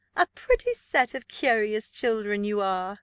"A pretty set of curious children you are!"